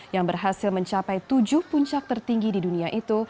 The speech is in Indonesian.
yang berhasil mencapai tujuh puncak tertinggi di dunia itu